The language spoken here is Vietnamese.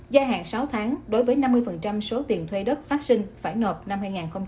giai hạn sáu tháng đối với năm mươi số tiền thuê đất phát sinh phải nợp năm hai nghìn hai mươi ba